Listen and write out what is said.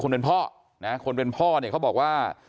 เป็นพ่อนะคนเป็นพ่อเนี่ยเขาบอกว่า